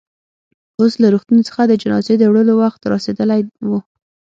اوس له روغتون څخه د جنازې د وړلو وخت رارسېدلی و.